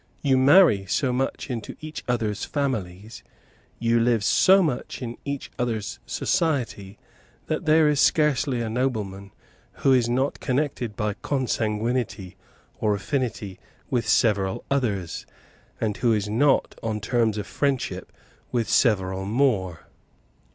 You marry so much into each other's families, you live so much in each other's society, that there is scarcely a nobleman who is not connected by consanguinity or affinity with several others, and who is not on terms of friendship with several more.